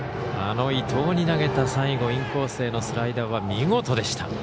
あの伊藤に投げた最後インコースへのスライダーは見事でした。